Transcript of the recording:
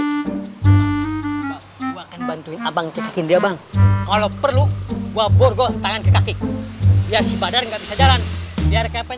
bang gue akan bantuin abang cekakin dia bang kalau perlu gue borgo tangan kiri kaki